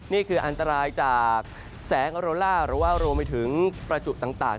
นี่คืออันตรายจากแสงอโรล่าหรือว่ารวมไปถึงประจุต่าง